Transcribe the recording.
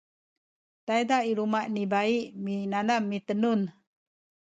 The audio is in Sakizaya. tayza i luma’ ni bai minanam mitenun